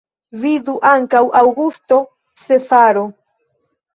Vidu ankaŭ Aŭgusto Cezaro.